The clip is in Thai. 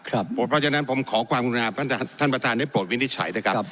ครับเพราะฉะนั้นผมขอความภูมิข้อมูลงานท่านท่านประตานได้โปรดวินิจฉัยนะครับ